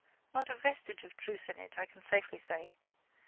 Not a vestige of truth in it, I can safely say.